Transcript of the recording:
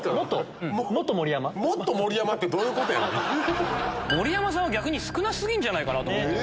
「もっと盛山」ってどういうことやねん⁉盛山さんは逆に少な過ぎるんじゃないかと思って。